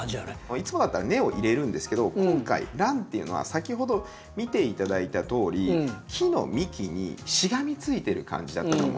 いつもだったら根を入れるんですけど今回ランっていうのは先ほど見ていただいたとおり木の幹にしがみついてる感じだったと思うんですよ。